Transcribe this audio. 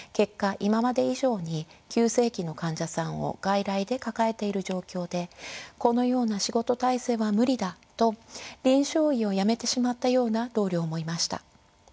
今まで以上に急性期の患者さんを外来で抱えている状況でこのような仕事体制は無理だと臨床医を辞めてしまったような同僚もいました。